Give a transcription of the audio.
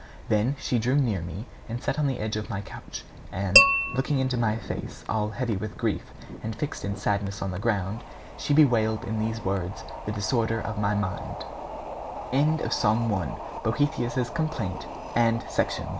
Then she drew near me and sat on the edge of my couch, and, looking into my face all heavy with grief and fixed in sadness on the ground, she bewailed in these words the disorder of my mind: FOOTNOTES: [A] [Greek: P] (P) stands for the Political li